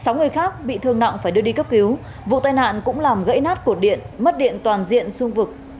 sáu người khác bị thương nặng phải đưa đi cấp cứu vụ tai nạn cũng làm gãy nát cột điện mất điện toàn diện xung vực